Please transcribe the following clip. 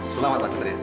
selamat pak satria